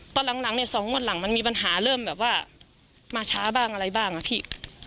ตอนหลังเนี่ย๒งวดหลังมันมีปัญหาเริ่มแบบว่ามาช้าบ้างอะไรบ้างอะพี่